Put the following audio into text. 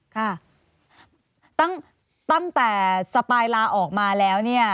ค่ะตั้งแต่สปายลาออกมาแล้วเนี่ย